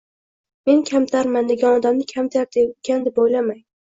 “Men kamtarman” degan odamni kamtar ekan deb o’ylamang.